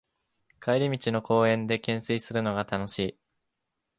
帰り道の公園でけんすいするのが楽しい